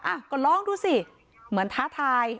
อ่ะก็ลองดูสิเหมือนท้าทาย